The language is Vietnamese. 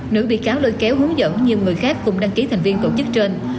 nữ bị cáo lôi kéo hướng dẫn nhiều người khác cùng đăng ký thành viên tổ chức trên